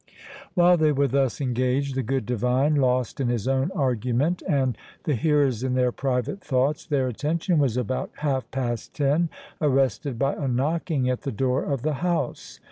While they were thus engaged, the good divine lost in his own argument, and the hearers in their private thoughts, their attention was about half past ten arrested by a knocking at the door of the house.